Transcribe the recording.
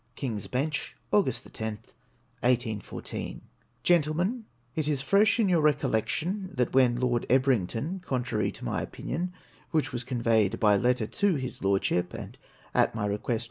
King's Beuch, Aug. 10th, 1S14. Oentlemen, — It is fresh iu your recollection that when Lord Ebrington, contrary to my opinion, which was conveyed by letter to his Lordship, and at my request